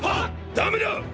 ダメだ！！